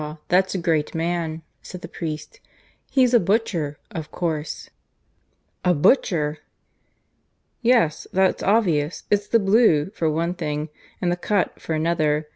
that's a great man," said the priest. "He's a Butcher, of course " "A butcher!" "Yes; that's obvious it's the blue, for one thing, and the cut, for another.